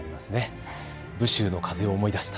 武州の風を思い出した。